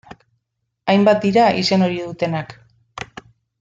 Hainbat dira izen hori dutenak.